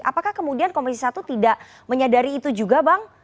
apakah kemudian komisi satu tidak menyadari itu juga bang